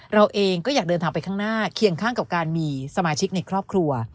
เราเองก็อยากเดินทางไปข้างหน้าเคียงข้างกับการมีสมาชิกในครอบครัว